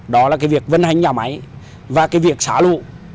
đó là việc vận hành nhà máy và việc xá lụ